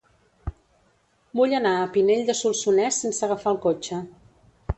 Vull anar a Pinell de Solsonès sense agafar el cotxe.